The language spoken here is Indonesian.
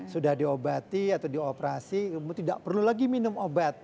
sudah diobati atau dioperasi tidak perlu lagi minum obat